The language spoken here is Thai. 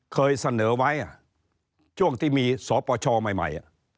เคยเสนอไว้ช่วงที่มีสปชใหม่